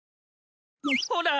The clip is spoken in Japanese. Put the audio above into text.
ほら！